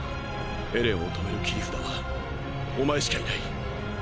エレンを止める切り札はお前しかいない！！